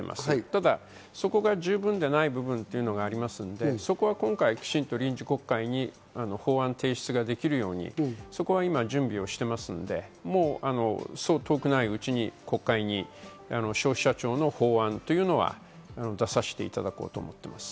ただ、そこが十分でない部分っていうのがありますので、今回きちんと臨時国会に法案提出ができるようにそこを今、準備をしていますので、そう遠くないうちに国会に消費者庁の法案というのは出させていただこうと思っています。